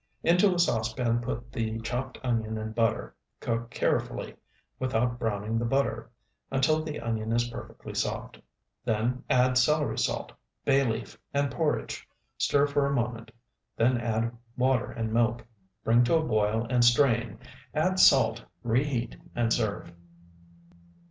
Into a saucepan put the chopped onion and butter; cook carefully, without browning the butter, until the onion is perfectly soft; then add celery salt, bay leaf, and porridge; stir for a moment, then add water and milk; bring to a boil and strain; add salt, reheat, and serve.